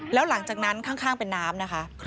แล้วหลังจากนั้นข้างเป็นน้ำนะคะ